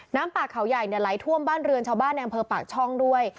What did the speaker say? น้ำป่าเขาใหญ่ไหลท่วมบ้านเรือนชาวบ้านในอำเภอปากช่องด้วย